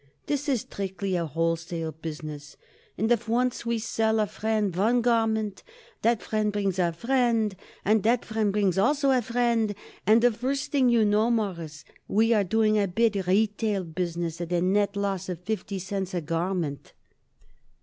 This is strictly a wholesale business, and if once we sell a friend one garment that friend brings a friend, and that friend brings also a friend, and the first thing you know, Mawruss, we are doing a big retail business at a net loss of fifty cents a garment."